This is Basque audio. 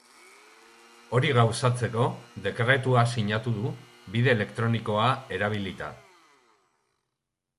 Hori gauzatzeko, dekretua sinatu du bide elektronikoa erabilita.